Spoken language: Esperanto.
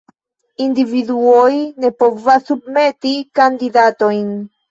Individuoj ne povas submeti kandidatojn.